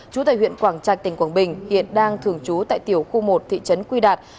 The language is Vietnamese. chú tại huyện quảng trạch tỉnh quảng bình hiện đang thường trú tại tiểu khu một thị trấn quy đạt